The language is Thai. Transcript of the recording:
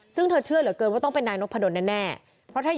ครั้งนี้คืออย่างที่ไพเตน